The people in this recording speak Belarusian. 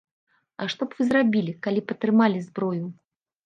А што б вы зрабілі, калі б атрымалі зброю?